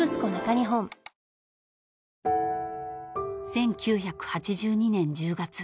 ［１９８２年１０月。